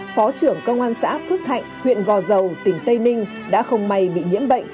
phó trưởng công an xã phước thạnh huyện gò dầu tỉnh tây ninh đã không may bị nhiễm bệnh